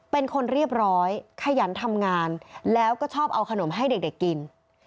เป็นคนเรียบร้อยขยันทำงานแล้วก็ชอบเอาขนมให้เด็กกิน